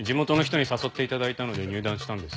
地元の人に誘って頂いたので入団したんです。